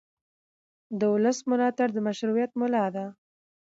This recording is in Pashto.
د ولس ملاتړ د مشروعیت ملا ده